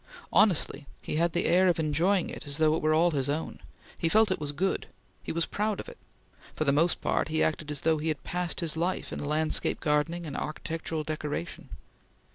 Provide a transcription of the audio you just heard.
Honestly, he had the air of enjoying it as though it were all his own; he felt it was good; he was proud of it; for the most part, he acted as though he had passed his life in landscape gardening and architectural decoration.